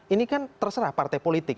ini kan terserah partai politik